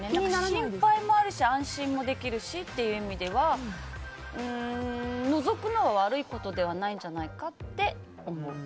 心配もあるし安心もできるしっていう意味ではのぞくのは悪いことではないんじゃないかって思う。